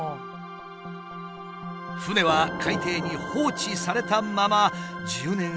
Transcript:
船は海底に放置されたまま１０年余りが経過した。